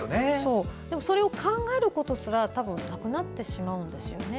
でもそれを考えることすらなくなってしまうんですよね。